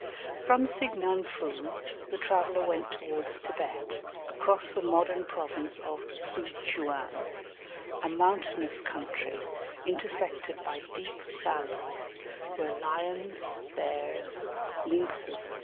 From Signanfoo, the traveller went towards Thibet, across the modern province of Szu tchouan, a mountainous country intersected by deep valleys, where lions, bears, lynxes, &c.